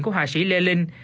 của hòa sĩ lê linh